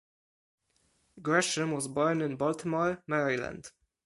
Gresham was born in Baltimore, Maryland.